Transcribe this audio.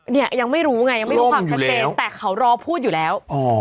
เนี่ยยังไม่รู้ไงยังไม่รู้ความชัดเจนแต่เขารอพูดอยู่แล้ว